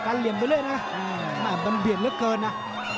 กันเหลี่ยมไปเลยนะแบบต้องเบียดลึกเกินนะ